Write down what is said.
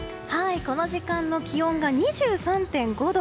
この時間の気温が２３．５度。